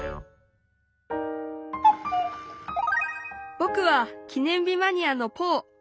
ぼくは記念日マニアのポー。